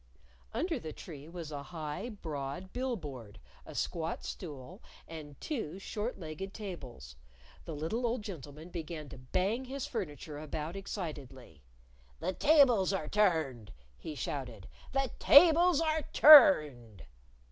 Under the tree was a high, broad bill board, a squat stool, and two short legged tables. The little old gentleman began to bang his furniture about excitedly. "The tables are turned!" he shouted. "The tables are turned!"